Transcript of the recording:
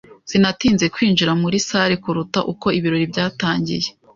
Sinatinze kwinjira muri salle kuruta uko ibirori byatangiye.